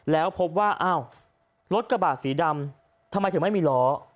แล้วพบว่าอ้าวรถกระบะสีดำทำไมถึงไม่มีล้อ